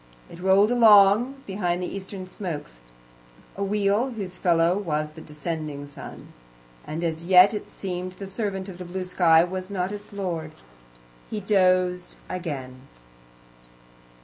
It rolled along behind the eastern smokes a wheel, whose fellow was the descending moon and as yet it seemed the servant of the blue sky, not its lord. He dozed again.